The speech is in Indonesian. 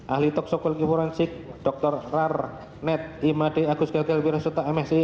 ahli toksikologi forensik dr rarnet imadi agus gagel wirasota msi